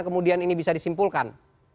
kemudian ini bisa disimpulkan